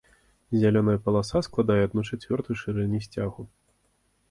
Зялёная паласа складае адну чацвёртую шырыні сцягу.